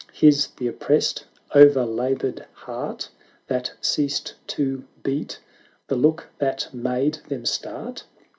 his the oppressed, o'er laboured heart That ceased to beat, the look that made them start?